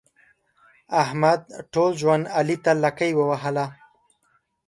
احمد ټول ژوند علي ته لکۍ ووهله.